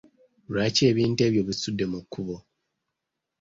Lwaki ebintu ebyo obisudde mu kkubo?